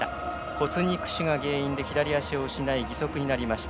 骨肉腫が原因で左足を失い、義足になりました。